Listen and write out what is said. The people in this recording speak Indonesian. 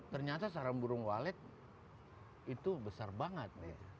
ternyata sarang burung walet itu besar banget